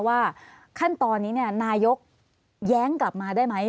ว่าขั้นตอนนี้นายกแย้งกลับมาได้ไหม